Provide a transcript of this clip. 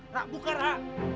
ra buka ra